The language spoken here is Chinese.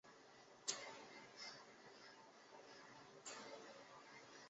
去年的宝马萨伯车队也更名为萨伯车队参与今年的赛事。